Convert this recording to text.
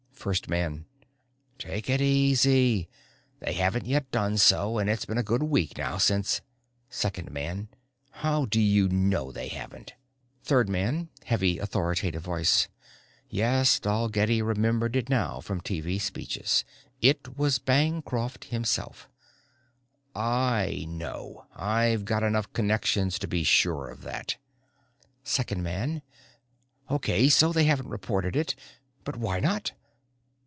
First man: "Take it easy. They haven't yet done so and it's been a good week now since " Second man: "How do you know they haven't?" Third man heavy, authoritative voice. Yes, Dalgetty remembered it now from TV speeches it was Bancroft himself: "I know. I've got enough connections to be sure of that." Second man: "Okay, so they haven't reported it. But why not?"